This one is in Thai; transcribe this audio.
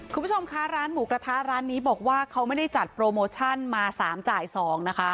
คุณผู้ชมคะร้านหมูกระทะร้านนี้บอกว่าเขาไม่ได้จัดโปรโมชั่นมา๓จ่าย๒นะคะ